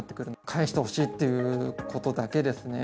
返してほしいっていうことだけですね。